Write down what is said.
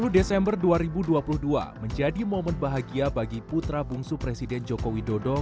sepuluh desember dua ribu dua puluh dua menjadi momen bahagia bagi putra bungsu presiden joko widodo